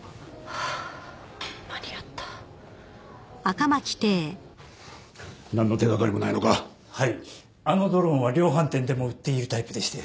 あのドローンは量販店でも売っているタイプでして。